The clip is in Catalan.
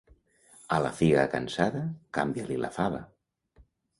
A la figa cansada, canvia-li la fava.